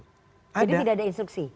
jadi tidak ada instruksi